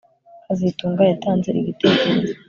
kazitunga yatanze igitekerezo